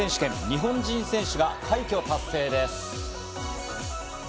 日本人選手が快挙達成です。